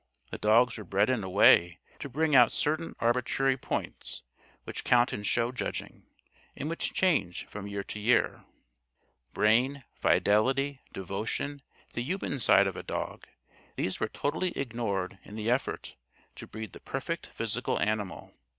The dogs were bred in a way to bring out certain arbitrary "points" which count in show judging, and which change from year to year. Brain, fidelity, devotion, the human side of a dog these were totally ignored in the effort to breed the perfect physical animal.